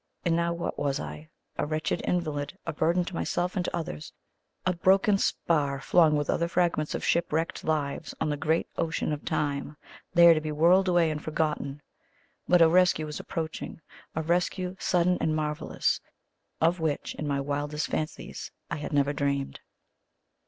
And now what was I? A wretched invalid a burden to myself and to others a broken spar flung with other fragments of ship wrecked lives on the great ocean of Time, there to be whirled away and forgotten. But a rescue was approaching; a rescue sudden and marvellous, of which, in my wildest fancies, I had never dreamed.